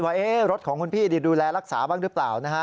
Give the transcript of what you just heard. ว่ารถของคุณพี่ดูแลรักษาบ้างหรือเปล่านะฮะ